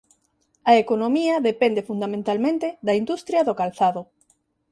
A economía depende fundamentalmente da industria do calzado.